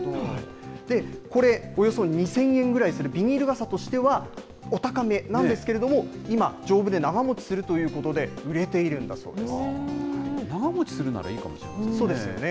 これ、およそ２０００円ぐらいするビニール傘としてはお高めなんですけれども、今、丈夫で長もちするということで、売れているん長もちするならいいかもしれそうですよね。